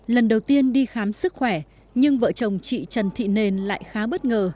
lần đầu tiên đi khám sức khỏe nhưng vợ chồng chị trần thị nền lại khá bất ngờ